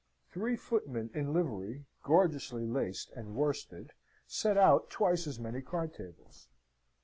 Three footmen in livery, gorgeously laced with worsted, set out twice as many card tables.